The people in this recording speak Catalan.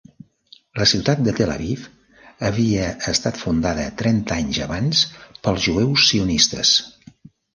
La ciutat de Tel Aviv havia estat fundada trenta anys abans pels jueus sionistes.